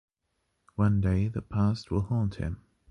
One day the past will haunt him.